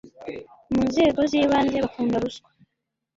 mu nzego zibanze bakunda ruswa